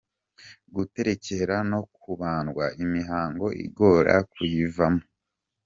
Guterekera no kubandwa, imihango igora kuyivamo.